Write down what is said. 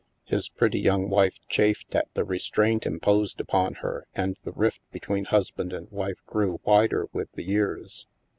His pretty young wife chafed at the restraint imposed upon her and the rift between husband and wife grew wider with the years.